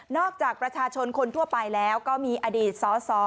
จากประชาชนคนทั่วไปแล้วก็มีอดีตสส